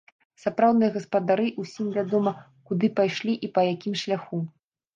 Сапраўдныя гаспадары, усім вядома, куды пайшлі і па якім шляху.